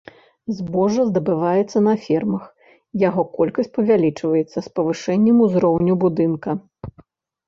Збожжа здабываецца на фермах, яго колькасць павялічваецца з павышэннем ўзроўню будынка.